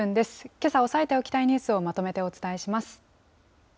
けさ押さえておきたいニュースをまとめてお伝えします。